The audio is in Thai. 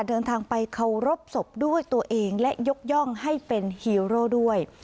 เดินทางไปเคารพศพด้วยตัวเองและยกย่องให้เป็นฮีโร่ด้วย